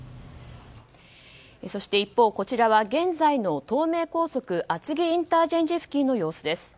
そして一方、こちらは現在の東名高速厚木ＩＣ付近の様子です。